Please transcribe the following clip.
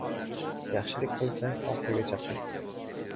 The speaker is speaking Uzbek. • Yaxshilik qilsang, oxirigacha qil.